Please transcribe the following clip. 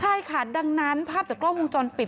ใช่ค่ะดังนั้นภาพจากกล้องวงจรปิด